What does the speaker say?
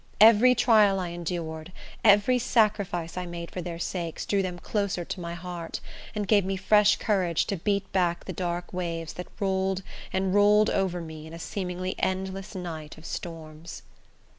Every trial I endured, every sacrifice I made for their sakes, drew them closer to my heart, and gave me fresh courage to beat back the dark waves that rolled and rolled over me in a seemingly endless night of storms.